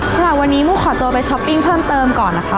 สำหรับวันนี้มูขอตัวไปช้อปปิ้งเพิ่มเติมก่อนนะคะ